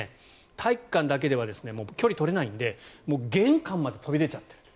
体育館だけでは距離が取れないので玄関まで飛び出ている。